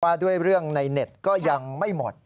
ว่าด้วยเรื่องในเน็ตก็ยังไม่หมด